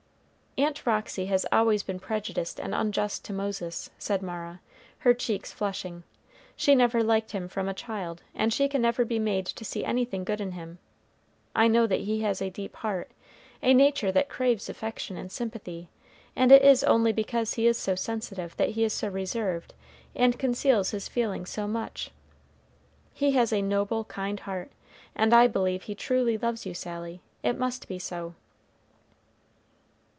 "Aunt Roxy has always been prejudiced and unjust to Moses," said Mara, her cheeks flushing. "She never liked him from a child, and she never can be made to see anything good in him. I know that he has a deep heart, a nature that craves affection and sympathy; and it is only because he is so sensitive that he is so reserved and conceals his feelings so much. He has a noble, kind heart, and I believe he truly loves you, Sally; it must be so."